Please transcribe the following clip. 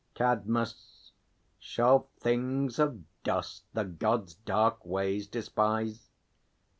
CADMUS. Shall things of dust the Gods' dark ways despise?